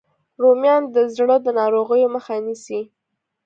رومیان د زړه د ناروغیو مخه نیسي